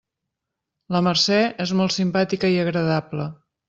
La Mercè és molt simpàtica i agradable.